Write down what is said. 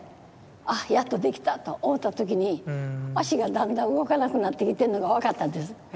ああやっと出来たと思った時に足がだんだん動かなくなってきてるのが分かったんです。